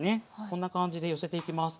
こんな感じで寄せていきます。